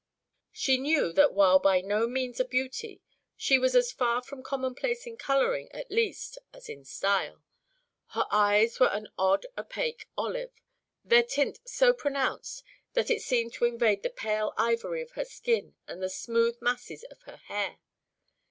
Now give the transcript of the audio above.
She knew that while by no means a beauty, she was as far from commonplace in colouring at least as in style. Her eyes were an odd opaque olive, their tint so pronounced that it seemed to invade the pale ivory of her skin and the smooth masses of her hair.